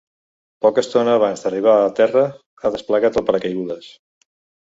Poca estona abans d’arribar a terra ha desplegat el paracaigudes.